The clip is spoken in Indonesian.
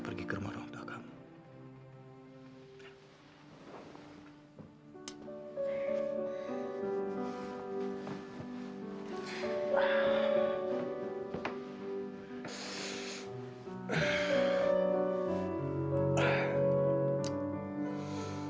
hai sekarang kamu tidur di rumah